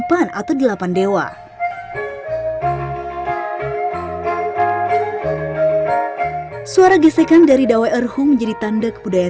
dan selanjutnya menggunakan obat obatan religius mencapai kond emerge